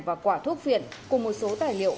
và quả thuốc phiện cùng một số tài liệu